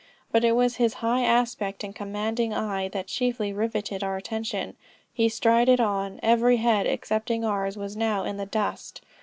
But it was his high aspect and commanding eye, that chiefly rivetted our attention. He strided on. Every head excepting ours, was now in the dust.